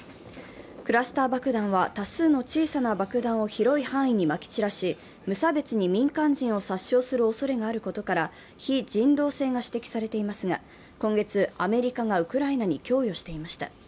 クラスター爆弾は多数の小さな爆弾を広い範囲にまき散らし、無差別に民間人を殺傷するおそれがあることから非人道性が指摘されていますが、今月、アメリカがウクライナに供与していました。